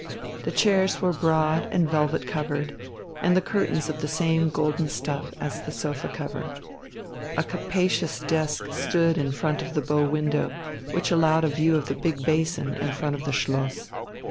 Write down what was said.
The chairs were broad and velvet covered, and the curtains of the same golden stuff as the sofa cover. A capacious desk stood in front of the bow window, which allowed a view of the big basin in front of the Schloss.